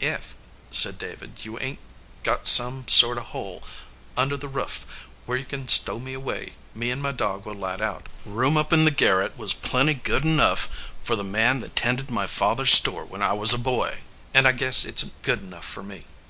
"Ef," said David, "you ain t got some sort of hole under the ruff where you can stow me away, me and my dog will light out. Room up in the garret was plenty good enough for the man that tended my father s store when I was a boy, an I guess it s good enough for me."